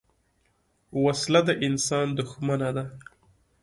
وسله د انسان دښمنه ده